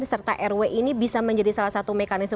serta rw ini bisa menjadi salah satu mekanisme